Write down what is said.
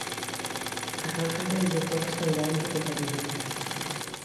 A causa de ello, fue restaurado en su totalidad.